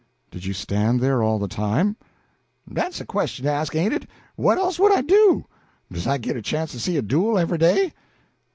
"Did you stand there all the time?" "Dat's a question to ask, ain't it? What else would I do? Does I git a chance to see a duel every day?"